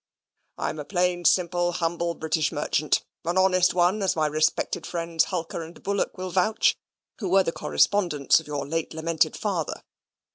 I'm a plain, simple, humble British merchant an honest one, as my respected friends Hulker and Bullock will vouch, who were the correspondents of your late lamented father.